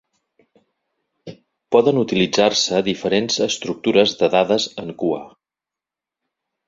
Poden utilitzar-se diferents estructures de dades en cua.